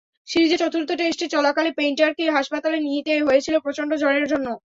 সিরিজের চতুর্থ টেস্ট চলাকালে পেইন্টারকে হাসপাতালে নিতে হয়েছিল প্রচণ্ড জ্বরের জন্য।